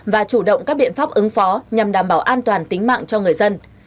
và chủ động các biện pháp ứng phó nhằm đảm bảo an toàn tính mạng cho người dân